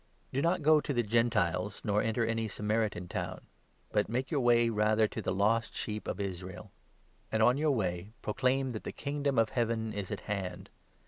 Do not go to the Gentiles, nor enter any Samaritan town, but make your way rather to the lost sheep of Israel. And on 6, 7 your way proclaim that the Kingdom of Heaven is at hand.